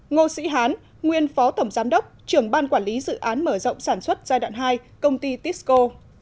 ngô sĩ hán nguyên phó tổng giám đốc trưởng ban quản lý dự án mở rộng sản xuất giai đoạn hai công ty tisco